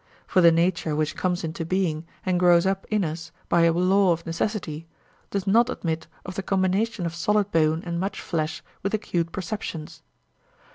For the nature which comes into being and grows up in us by a law of necessity, does not admit of the combination of solid bone and much flesh with acute perceptions.